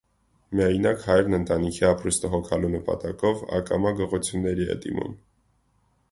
Միայնակ հայրն ընտանիքի ապրուստը հոգալու նպատակով ակամա գողությունների է դիմում։